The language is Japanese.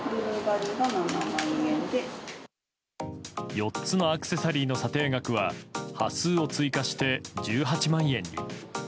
４つのアクセサリーの査定額は端数を追加して１８万円に。